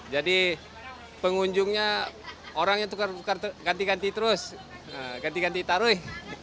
jadi pengunjungnya orangnya ganti ganti terus ganti ganti taruh